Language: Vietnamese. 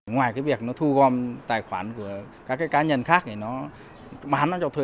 ngoài việc nó thu gom tài khoản của các cá nhân khác để nó bán cho thuê